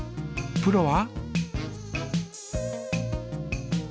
プロは？